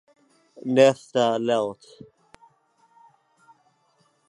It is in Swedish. Jag tror att få nykterister skulle hålla med dig om det.